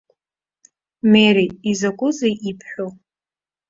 Мери, изакәызеи ибҳәо!